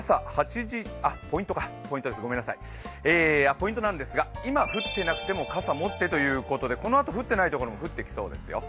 ポイントなんですが、今、降っていなくても傘を持ってということでこのあと降っていないところも降ってきそうですよ。